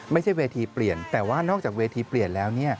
ไม่ใช่เวทีเปลี่ยนแต่ว่านอกจากเวทีเปลี่ยนแล้ว